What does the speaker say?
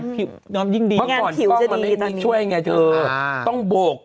บอกก่อนทั้งนี้ช่วยไงต้องโบก